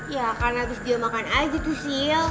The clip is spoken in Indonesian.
ya kan abis dia makan aja tuh sil